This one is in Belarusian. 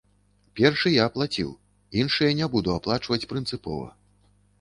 Першы я аплаціў, іншыя не буду аплачваць прынцыпова.